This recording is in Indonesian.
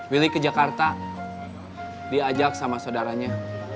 willy ke jakarta diajak sama saudaranya